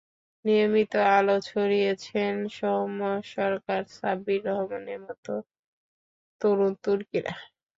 নিয়মিত আলো ছড়িয়েছেন সৌম্য সরকার, সাব্বির রহমানের মতো মতো তরুণ তুর্কিরা।